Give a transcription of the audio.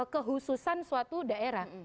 kehususan suatu daerah